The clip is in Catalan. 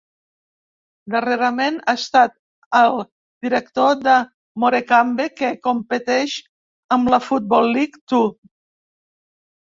Darrerament, ha estat el director del Morecambe, que competeix a la Football League Two.